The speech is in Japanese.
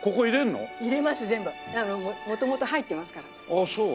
ああそう？